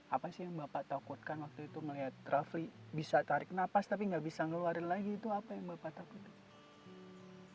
apa sih yang bapak takutkan waktu itu melihat rafli bisa tarik napas tapi nggak bisa ngeluarin lagi itu apa yang bapak takutkan